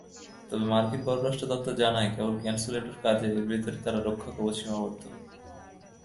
তবে মার্কিন পররাষ্ট্র দপ্তর জানায়, কেবল কনস্যুলেটের কাজের ভেতরেই তাঁর রক্ষাকবচ সীমাবদ্ধ।